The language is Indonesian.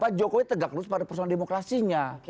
pak jokowi tegak terus pada persoalan demokrasinya